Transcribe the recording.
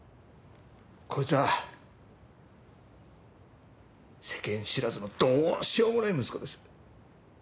こいつは世間知らずのどうしようもない息子です。